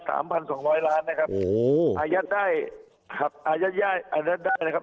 สามพันสองร้อยล้านนะครับโอ้โหอายัดได้ครับอายัดได้อายัดได้นะครับ